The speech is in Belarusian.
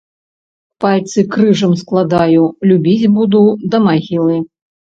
Пальцы крыжам складаю, любіць буду да магілы.